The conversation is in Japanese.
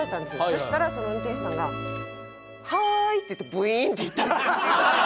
そしたらその運転手さんが「はーい」って言ってブイーンって行ったんですよ。